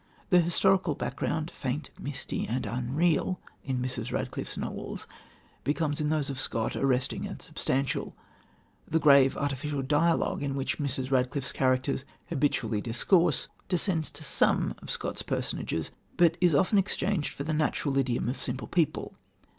The historical background, faint, misty and unreal in Mrs. Radcliffe's novels, becomes, in those of Scott, arresting and substantial. The grave, artificial dialogue in which Mrs. Radcliffe's characters habitually discourse descends to some of Scott's personages, but is often exchanged for the natural idiom of simple people.